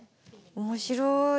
面白い。